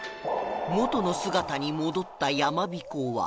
元の姿に戻った山びこは